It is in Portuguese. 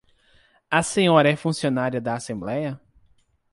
A senhora é funcionária da Assembleia?